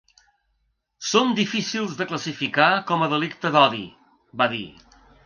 Són difícils de classificar com a delicte d’odi, va dir.